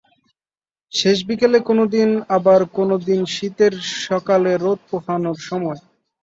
শেষ বিকেলে কোনো দিন, আবার কোনো দিন শীতের সকালে রোদ পোহানোর সময়।